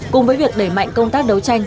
cùng với việc đẩy mạnh công tác đấu tranh